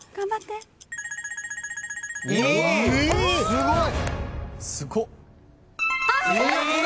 すごい！